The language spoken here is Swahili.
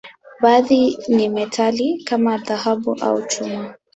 Baadhi ni metali, kama dhahabu au chuma.